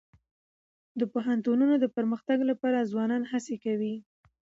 د پوهنتونونو د پرمختګ لپاره ځوانان هڅي کوي.